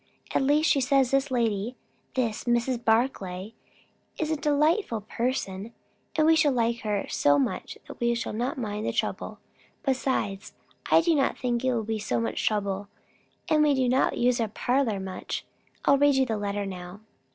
At least she says this lady this Mrs. Barclay is a delightful person, and we shall like her so much we shall not mind the trouble. Besides, I do not think it will be so much trouble. And we do not use our parlour much. I'll read you the letter now."